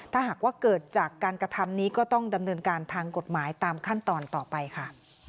ถ้าหากว่าเกิดจากการกระทำนี้ก็ต้องดำเนินการทางกฎหมายตามขั้นตอนต่อไปค่ะ